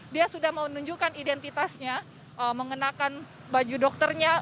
dia sudah menunjukkan identitasnya mengenakan baju dokternya